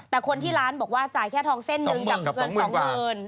แต่คนที่ร้านบอกว่าจ่ายแค่ทองเส้นหนึ่งกับเงินสองหมื่น